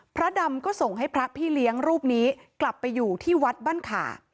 พระดำก็ส่งให้พระพี่เลี้ยงรูปนี้กลับไปอยู่ที่วัดบ้านขา